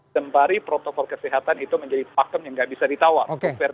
sembari protokol kesehatan itu menjadi pakem yang gak bisa ditawar